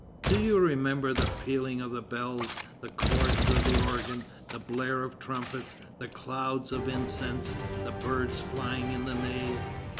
Do you remember the pealing of the bells, the chords of the organ, the blare of trumpets, the clouds of incense, the birds flying in the nave?